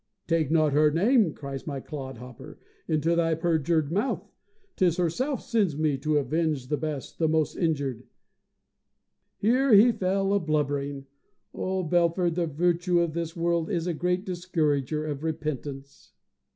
"Take not her name," cries my clod hopper, "into thy perjured mouth. 'Tis herself sends me here to avenge the best, the most injured ..." Here he fell a blubbering! Oh, Belford, the virtue of this world is a great discourager of repentance.